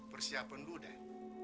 persiapan lo udah